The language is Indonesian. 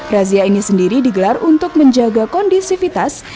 razia ini sendiri digelar untuk menjaga kondisivitas